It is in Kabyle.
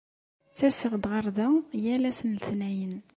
Ttaseɣ-d ɣer da yal ass n letnayen.